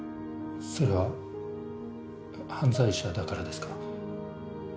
それは犯罪者だからですか？